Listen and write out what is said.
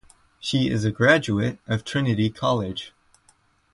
She is a graduate of Trinity College.